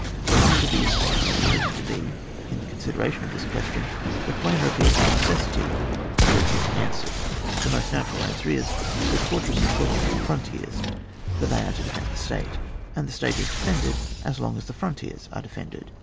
The larger the state is supposed to be in the consideration of this question, the plainer appears the necessity for its being an swered. The most natural answer is, — that for tresses belong to the irontiers, for they are to defend the state, and the state is defended as long as the frontiers are defended.